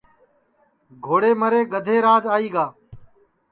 گھوڑے مرے گدھے راج آئی گا